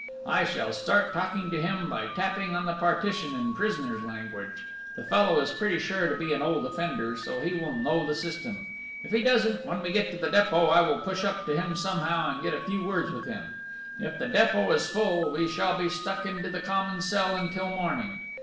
I shall start talking to him by tapping on the partition in prisoner's language. The fellow is pretty sure to be an old offender, so he will know the system.... If he doesn't, when we get to the Dépôt, I will push up to him somehow and get a few words with him.... If the Dépôt is full, we shall be stuck into the common cell until morning....